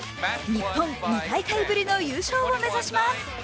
日本、２大会ぶりの優勝を目指します。